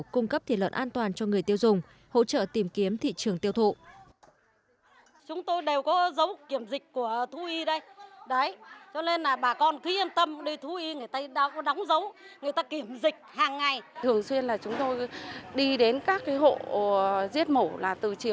cung cấp thịt lợn an toàn cho người tiêu dùng hỗ trợ tìm kiếm thị trường tiêu thụ